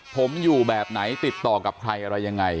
ผมอยู่แบบไหนติดต่อกับใครอะไรยังไง